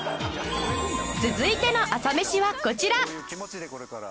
続いての朝メシはこちら